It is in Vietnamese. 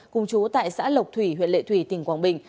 cùng chú tại xã lộc thủy huyện lệ thủy tỉnh quảng bình